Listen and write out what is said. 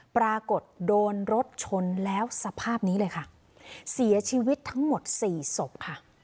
ปรากฏโดนรถชนแล้วสภาพนี้เลยค่ะเสียชีวิตทั้งหมดสี่ศพค่ะ